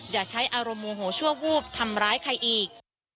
อย่าใช้อารมณ์โมโหชั่ววูบทำร้ายใครอีก